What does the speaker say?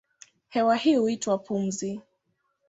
Hewa hii huitwa pumzi.